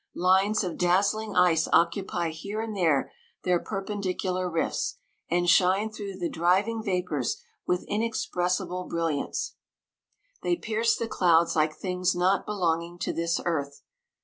Lines of dazzling ice occupy here and there their perpendicular rifts, and shine through the driving vapours with inexpressible brilliance : they 166 pierce the clouds like things not be longing to this earth.